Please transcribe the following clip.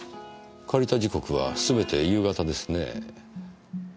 借りた時刻はすべて夕方ですね。